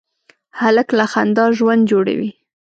هلک له خندا ژوند جوړوي.